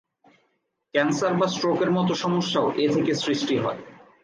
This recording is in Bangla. ক্যানসার বা স্ট্রোকের মতো সমস্যাও এ থেকে সৃষ্টি হয়।